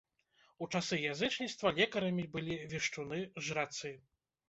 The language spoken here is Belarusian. У часы язычніцтва лекарамі былі вешчуны, жрацы.